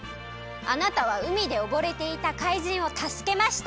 あなたはうみでおぼれていたかいじんをたすけました。